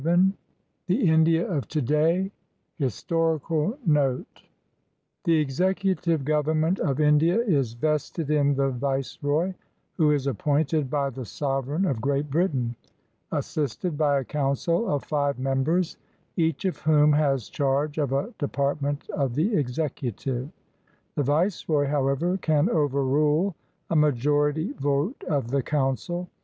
VII THE INDIA OF TO DAY HISTORICAL NOTE The Executive Government of India is vested in the Vice roy, who is appointed by the sovereign of Great Britain, assisted by a council of five members, each of whom has charge of a department of the executive. The Viceroy, how ever, can overrule a majority vote of the council.